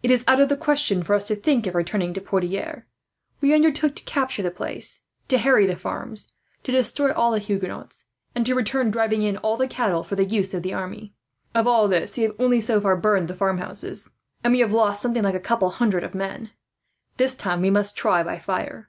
It is out of the question for us to think of returning to Poitiers. We undertook to capture the place, to harry the farms, to destroy all the Huguenots, and to return driving in all the cattle for the use of the army. Of all this we have only so far burned the farmhouses, and we have lost something like a couple of hundred men. "This time, we must try by fire.